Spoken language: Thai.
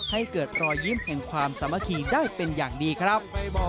ให้เกิดรอยยิ้มแห่งความสามัคคีได้เป็นอย่างดีครับ